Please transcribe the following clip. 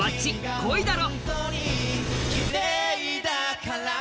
「恋だろ」。